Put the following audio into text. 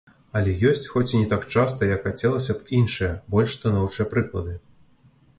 Але ёсць, хоць і не так часта, як хацелася б, іншыя, больш станоўчыя прыклады.